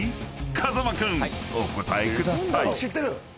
［風間君お答えください］